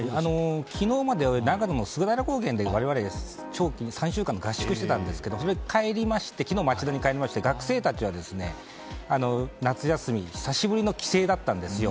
昨日まで長野の菅平高原で我々、長期の３週間の合宿をしていたんですが昨日、帰りまして学生たちは夏休み久しぶりの帰省だったんですよ。